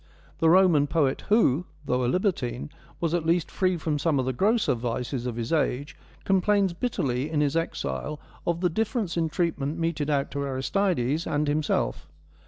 The Roman poet who, though a libertine, was at least free from some of the grosser vices of his age, complains bitterly in his exile of the difference in treatment meted out to Aristides and himself.